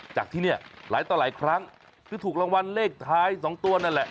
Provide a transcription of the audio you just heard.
จากที่เนี่ยหลายต่อหลายครั้งคือถูกรางวัลเลขท้าย๒ตัวนั่นแหละ